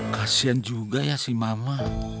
kasian juga ya si mama